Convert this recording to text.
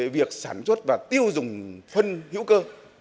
việc sản xuất và tiêu dùng phân hữu cơ